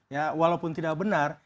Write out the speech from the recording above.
ya walaupun tidak benar